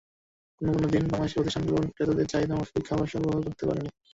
কোনো কোনো দিন বাংলাদেশের প্রতিষ্ঠানগুলো ক্রেতাদের চাহিদামাফিক খাবার সরবরাহ করতে পারেনি।